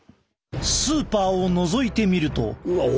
スーパーをのぞいてみると。